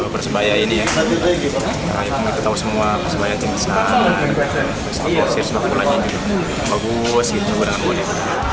persebaya ini kita tahu semua persebaya tim pesanan pesan bosir semuanya bagus